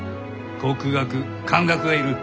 国学漢学がいる。